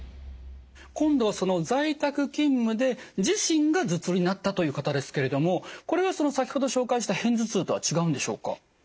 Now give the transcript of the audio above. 今度は在宅勤務で自身が頭痛になったという方ですけれどもこれは先ほど紹介した片頭痛とは違うんでしょうか？